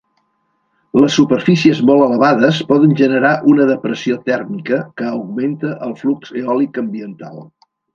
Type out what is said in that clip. Les superfícies molt elevades poden generar una depressió tèrmica, que augmenta el flux eòlic ambiental.